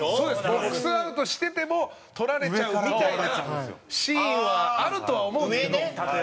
ボックスアウトしてても取られちゃうみたいなシーンはあるとは思うんですけど。